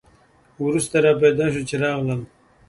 وروسته را پیدا شول چې راغلل.